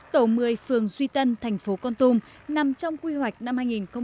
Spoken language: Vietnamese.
tổ một mươi phường duy tân thành phố con tùm nằm trong quy hoạch năm hai nghìn bảy